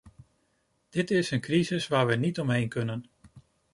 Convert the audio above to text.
Dit is een crisis waar we niet omheen kunnen.